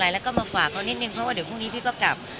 แล้วก็มาฝากเขานิดนึงเพราะว่าเดี๋ยวพรุ่งนี้พี่ก็กลับ